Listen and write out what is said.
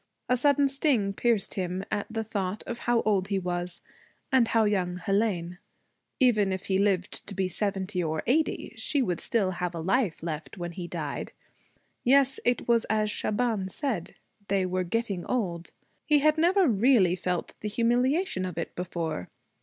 A sudden sting pierced him at the thought of how old he was, and how young Hélène. Even if he lived to be seventy or eighty, she would still have a life left when he died. Yes, it was as Shaban said. They were getting old. He had never really felt the humiliation of it before.